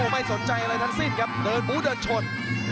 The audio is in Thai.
ไม่สนใจอะไรทั้งสิ้นครับเดินบู้เดินชน